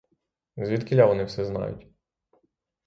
Звідкіля вони все знають?